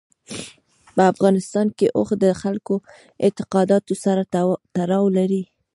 په افغانستان کې اوښ د خلکو د اعتقاداتو سره تړاو لري.